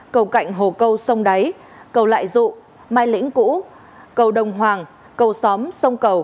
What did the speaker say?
cầu cạnh hồ câu sông đáy cầu lại dụ mai lĩnh cũ cầu đồng hoàng cầu xóm sông cầu